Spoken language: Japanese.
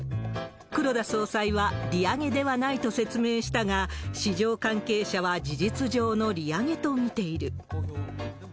黒田総裁は、利上げではないと説明したが、市場関係者は事実上の利上げと見ている。